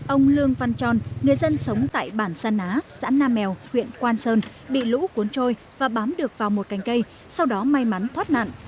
ông lương văn tròn người dân sống tại bản săn á xã nam mèo huyện quang sơn bị lũ cuốn trôi và bám được vào một cành cây sau đó may mắn thoát nạn